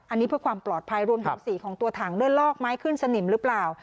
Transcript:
อันนี้เพื่อความปลอดภัยรวมถึงสีของตัวถังด้วยลอกไม้ขึ้นสนิมหรือเปล่า